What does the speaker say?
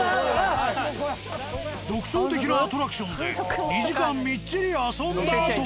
独創的なアトラクションで２時間みっちり遊んだあとは。